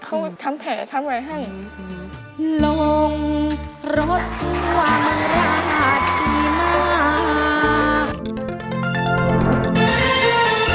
เขาทำแผนทำไว้ให้